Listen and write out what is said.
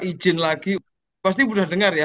izin lagi pasti sudah dengar ya